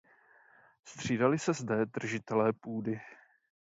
Střídali se zde držitelé půdy.